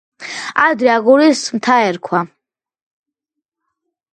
ადრე აგურის მთა ერქვა.